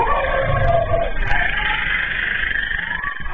วิธีที่สุดท้ายในลูกราวแรกแหละ